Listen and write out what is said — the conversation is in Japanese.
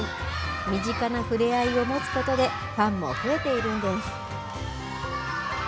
身近な触れ合いを持つことで、ファンも増えているんです。